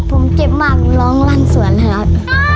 ผมเจ็บมากร้องรรสวนครับ